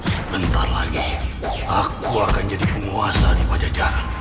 sebentar lagi aku akan jadi penguasa di pajajaran